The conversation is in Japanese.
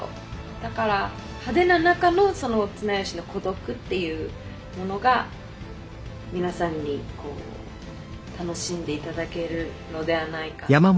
だから派手な中のその綱吉の孤独っていうものが皆さんにこう楽しんで頂けるのではないか。